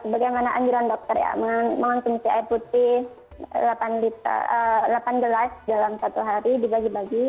pertama pembelaan dokter ya mengkonsumsi air putih delapan gelas dalam satu hari dibagi bagi